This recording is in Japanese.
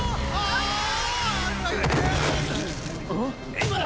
今だ！